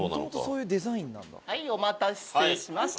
はいお待たせしました。